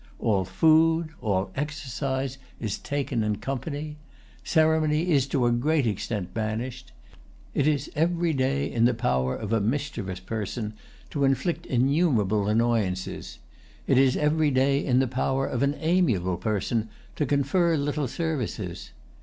All food, all exercise, is taken in company. Ceremony is to a great extent banished. It is every day in the power of a mischievous person to inflict innumerable annoyances; it is every day in the power of an amiable person to confer little services.